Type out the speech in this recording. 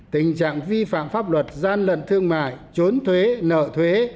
tình trạng vi phạm pháp luật gian lận thương mại trốn thuế nợ thuế